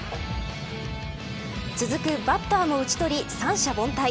続くバッターも打ち取り三者凡退。